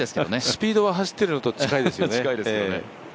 スピードは走ってるのと近いですよね。